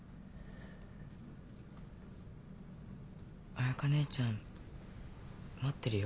彩佳ねえちゃん待ってるよ